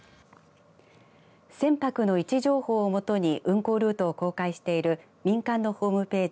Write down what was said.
船舶の位置情報をもとに運航ルートを公開している民間のホームページ